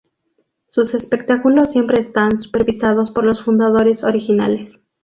Sus espectáculos siempre están supervisados por los fundadores originales.